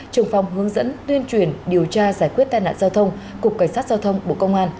trưởng phòng hướng dẫn tuyên truyền điều tra giải quyết tai nạn giao thông cục cảnh sát giao thông bộ công an